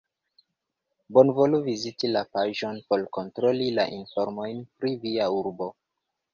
Bonvolu viziti la paĝon por kontroli la informojn pri via urbo.